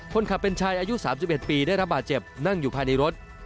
คนขับเป็นชายอายุ๓๑ปีได้รับบาดเจ็บนั่งอยู่ภายในรถ